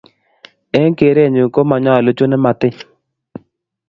Eng kerenyuu ko manyolu chu nemotiny